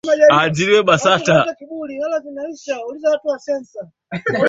Lengo ni kuiendeleza Zanzibar na Tanzania kuwa na uchumi mzuri zaidi